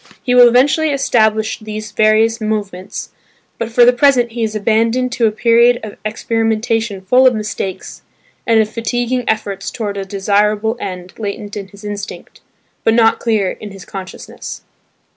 He will eventually establish these various movements, but for the present he is abandoned to a period of experimentation full of mistakes, and of fatiguing efforts towards a desirable end latent in his instinct, but not clear in his consciousness.